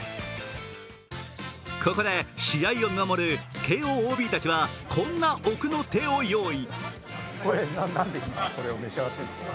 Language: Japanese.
ここで試合を見守る慶応ＯＢたちはこんな奥の手を用意。